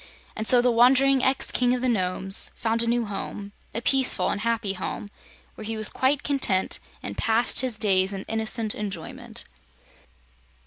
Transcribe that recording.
And so the wandering ex King of the Nomes found a new home, a peaceful and happy home, where he was quite content and passed his days in innocent enjoyment.